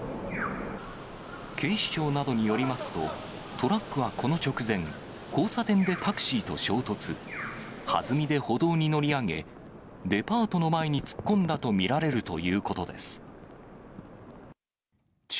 警視庁などによりますと、トラックはこの直前、交差点でタクシーと衝突、はずみで歩道に乗り上げ、デパートの前に突っ込んだと見られるということです。